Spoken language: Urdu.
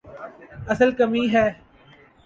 اصل کمی ہے۔